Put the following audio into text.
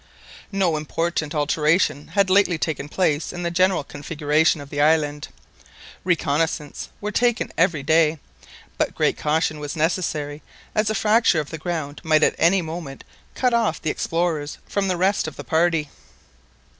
No important alteration had lately taken place in the general configuration of the island. Reconaissances were taken everyday, but great caution was necessary, as a fracture of the ground might at any moment cut off the explorers from the rest of the party.